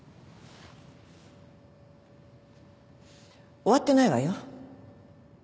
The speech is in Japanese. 終わってないわよ。